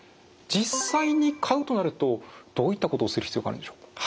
実際に買うとなるとどういったことをする必要があるんでしょう？